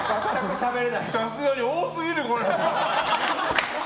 さすがに多すぎる、これは。